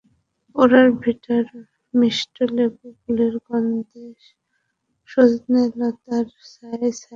পোড়ো ভিটার মিষ্ট লেবু ফুলের গন্ধে সজনেতলার ছায়ায় ছায়ায় আবার কবে গতিবিধি?